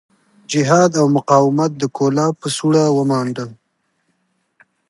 جهاد او مقاومت د کولاب په سوړه ومانډه.